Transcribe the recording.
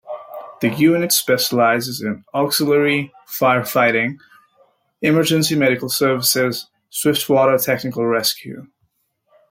The unit specialises in auxiliary fire fighting, emergency medical services, swiftwater technical rescue.